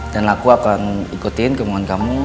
dan aku akan ikutin kemohonan kamu